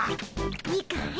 いいかい？